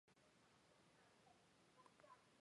这件事情使得朝廷对久光的信赖加深。